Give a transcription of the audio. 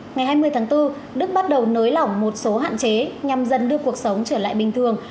ngày hai mươi tháng bốn đức bắt đầu nới lỏng một số hạn chế nhằm dần đưa cuộc sống trở lại bình thường